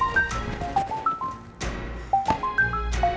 kamu gak lanjutin makan siangnya